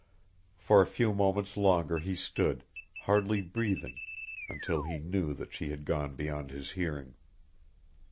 For a few moments longer he stood, hardly breathing, until he knew that she had gone beyond his hearing.